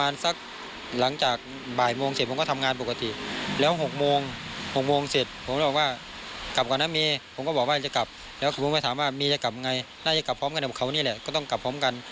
น่าจะกลับพร้อมกันกับเขานี่แหละก็ต้องกลับพร้อมกัน